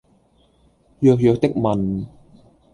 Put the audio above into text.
弱弱的問